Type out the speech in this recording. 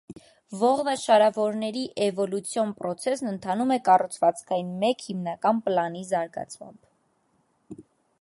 Ողնաշարավորների էվոլյուցիոն պրոցեսն ընթանում է կառուցվածքային մեկ հիմնական պլանի զարգացմամբ։